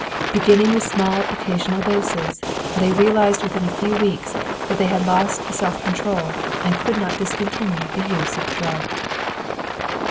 Beginning with small occasional doses, they realized within a few weeks that they had lost self control and could not discontinue the use of the drug.